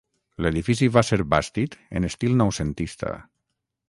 L'edifici va ser bastit en estil noucentista.